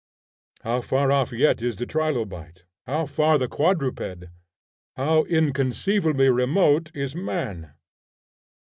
How far off yet is the trilobite! how far the quadruped! how inconceivably remote is man!